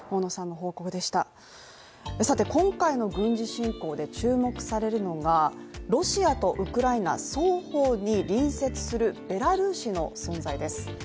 さて今回の軍事侵攻で注目されるのがロシアとウクライナ、双方に隣接するベラルーシの存在です。